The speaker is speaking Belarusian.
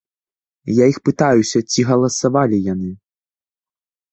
Я іх пытаюся, ці галасавалі яны?